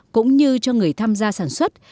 cũng như cho người tham gia sản xuất